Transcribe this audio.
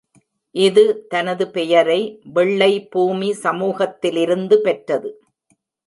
இது, தனது பெயரை வெள்ளை பூமி சமூகத்திலிருந்து பெற்றது.